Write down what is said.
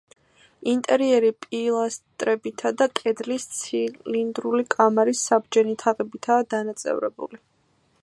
ინტერიერი პილასტრებითა და კედლის ცილინდრული კამარის საბჯენი თაღებითაა დანაწევრებული.